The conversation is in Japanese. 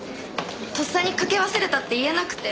とっさにかけ忘れたって言えなくて。